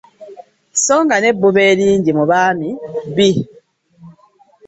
So nga n’ebbuba eringi mu baami bbi.